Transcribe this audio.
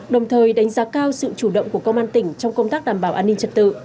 đồng thời đánh giá cao sự chủ động của công an tỉnh trong công tác đảm bảo an ninh trật tự